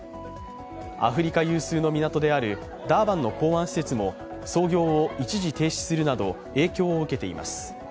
アフリカ有数の港であるダーバンの港湾施設も操業を一時停止するなど影響を受けています。